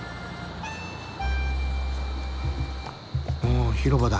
お広場だ。